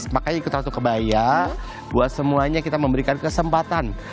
makanya ikut satu kebaya buat semuanya kita memberikan kesempatan